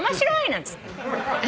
なんつって。